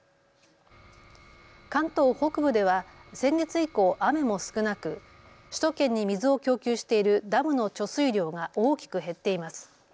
関東北部では先月以降、雨も少なく首都圏に水を供給しているダムの貯水量が大きく減っています。